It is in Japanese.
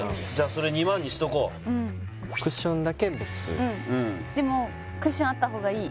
それ２万にしとこうクッションだけ別うんでもクッションあった方がいい